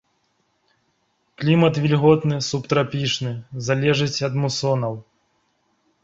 Клімат вільготны субтрапічны, залежыць ад мусонаў.